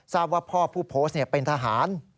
ทราบว่าพ่อผู้โพสต์เป็นทหาร